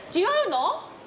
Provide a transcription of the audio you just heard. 違うの？